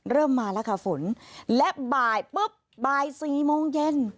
เริ่มมาแล้วค่ะฝนและบ่ายปุ๊บบ่ายสี่โมงเย็น